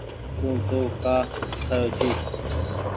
تو تونٚ ڪآ اُٺآيو ڇي